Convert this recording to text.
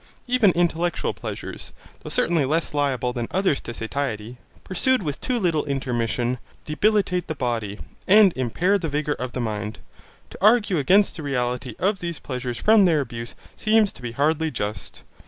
Even intellectual pleasures, though certainly less liable than others to satiety, pursued with too little intermission, debilitate the body, and impair the vigour of the mind. To argue against the reality of these pleasures from their abuse seems to be hardly just.